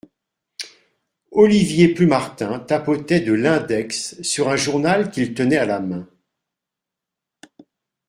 Olivier Plumartin tapotait de l'index sur un journal qu'il tenait à la main.